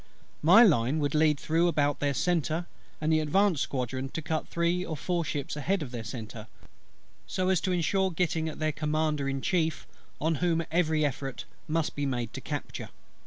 My line would lead through about their centre: and the advanced squadron to cut three or four ships ahead of their centre, so as to ensure getting at their Commander in Chief, on whom every effort must be made to capture.